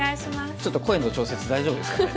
ちょっと声の調節大丈夫ですかね。